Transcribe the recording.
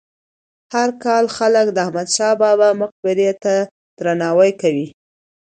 هر کال خلک د احمد شاه بابا مقبرې ته درناوی کوي.